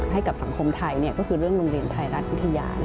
ให้กับสังคมไทยก็คือเรื่องโรงเรียนไทยรัฐวิทยา